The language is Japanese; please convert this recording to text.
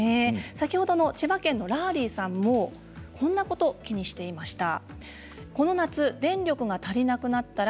先ほどの千葉県のらーりーさんもこんなことを気にしていました。